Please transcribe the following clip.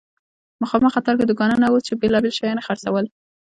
مخامخ قطار کې دوکانونه وو چې بیلابیل شیان یې خرڅول.